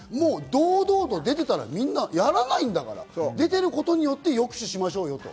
堂々と出てたらみんなやらないんだから、出てることで抑止しましょうよって。